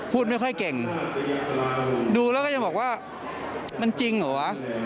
พูดไม่ค่อยเก่งดูแล้วก็ยังบอกว่ามันจริงเหรอวะ